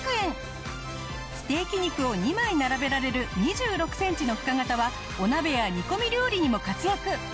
ステーキ肉を２枚並べられる２６センチの深型はお鍋や煮込み料理にも活躍。